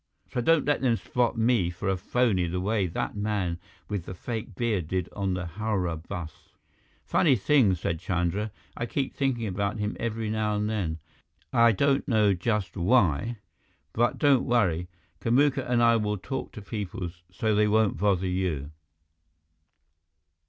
So don't let them spot me for a phony the way that man with the fake beard did on the Howrah bus." "Funny thing," said Chandra, "I keep thinking about him every now and then, I don't know just why. But don't worry. Kamuka and I will talk to people so they won't bother you."